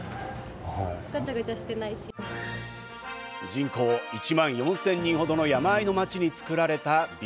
人口１万４０００人ほどの山あいの町で作られたＶＩＳＯＮ。